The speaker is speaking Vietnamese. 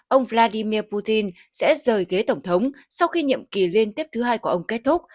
ông vladimir putin sẽ rời ghế tổng thống sau khi nhiệm kỳ liên tiếp thứ hai của ông kết thúc